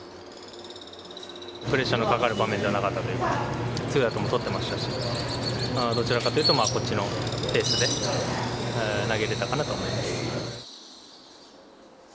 プレッシャーのかかる場面ではなかった、ツーアウトも取ってましたし、どちらかというとこっちのペースで投げてたかなと思います。